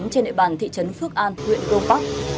trên địa bàn thị trấn phước an huyện crong park